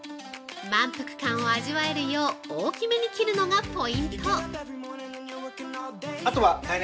満腹感を味わえるよう、大きめに切るのがポイント。